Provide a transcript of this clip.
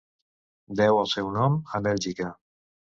Deu el seu nom a Bèlgica.